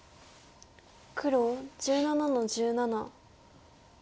黒１７の十七。